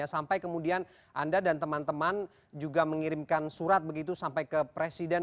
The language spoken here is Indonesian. sampai kemudian anda dan teman teman juga mengirimkan surat begitu sampai ke presiden